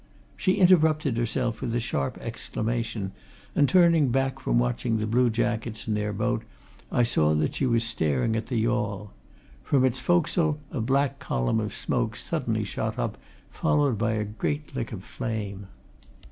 She interrupted herself with a sharp exclamation, and turning from watching the blue jackets and their boat I saw that she was staring at the yawl. From its forecastle a black column of smoke suddenly shot up, followed by a great lick of flame.